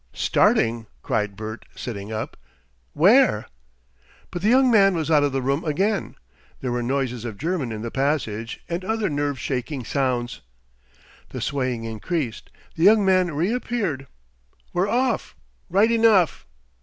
"Starting!" cried Bert, sitting up. "Where?" But the young man was out of the room again. There were noises of German in the passage, and other nerve shaking sounds. The swaying increased. The young man reappeared. "We're off, right enough!"